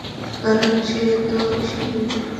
কারণ সে তো ঈশ্বরে বিশ্বাস করছে না।